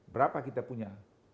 berapa kita punya